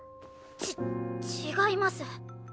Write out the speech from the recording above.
ち違います！